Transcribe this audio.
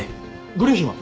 ご両親は？